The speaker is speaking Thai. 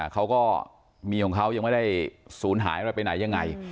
เขาก็เมียของเขายังไม่ได้ศูนย์หายอะไรไปไหนยังไง